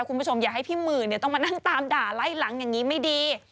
คุณผู้ชมอย่าให้พี่หมื่นต้องมานั่งตามด่าไล่หลังอย่างนี้ไม่ดี